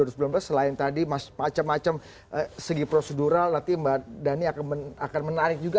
selain tadi macam macam segi prosedural nanti mbak dhani akan menarik juga